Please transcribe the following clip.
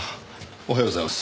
おはようございます。